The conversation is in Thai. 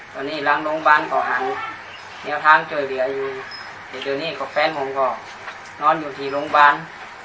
ตรงครั้งแหลงบ้านเราถึงเหมาะทางเกิดนี่ก็แฟนผมก็นอนถึงบ้าน